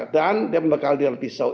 dan dia membekalkan pisau